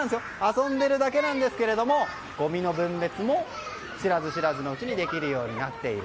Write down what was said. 遊んでるだけなんですけどごみの分別も知らず知らずのうちにできるようになっている。